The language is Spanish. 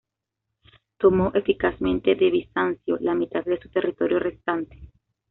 Tomó eficazmente de Bizancio la mitad de su territorio restante.